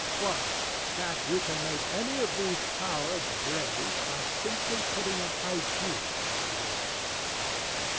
DON JUAN. Why, that you can make any of these cowards brave by simply putting an idea into his head.